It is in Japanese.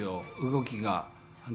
動きが。